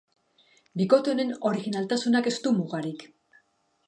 Bikote honen orijinaltasunak ez du mugarik.